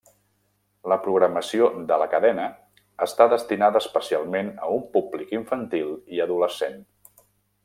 La programació de la cadena està destinada especialment a un públic infantil i adolescent.